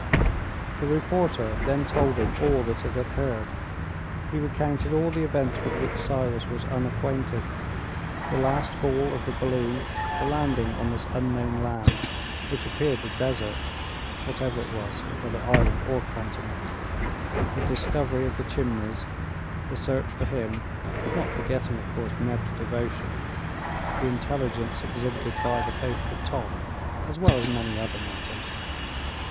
The reporter then told him all that had occurred. He recounted all the events with which Cyrus was unacquainted, the last fall of the balloon, the landing on this unknown land, which appeared a desert (whatever it was, whether island or continent), the discovery of the Chimneys, the search for him, not forgetting of course Neb's devotion, the intelligence exhibited by the faithful Top, as well as many other matters.